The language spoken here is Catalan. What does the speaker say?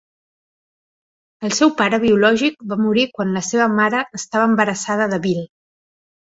El seu pare biològic va morir quan la seva mare estava embarassada de Bill.